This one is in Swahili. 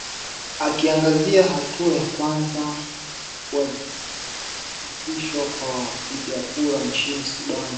akiangazia hatua ya kuanza kuandikisha kwa wapiga kura nchini sudan